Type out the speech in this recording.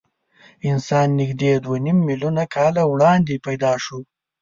انسان نږدې دوه نیم میلیونه کاله وړاندې پیدا شو.